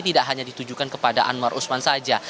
tidak hanya ditujukan kepada anwar usman saja